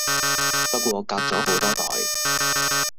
不過隔咗好多代